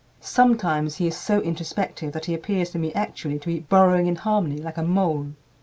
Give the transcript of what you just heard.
Sometimes he is so introspective that he appears to me actually to be burrowing in harmony like a mole.